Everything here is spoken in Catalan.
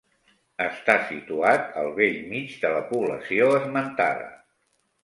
Està situat al bell mig de la població esmentada.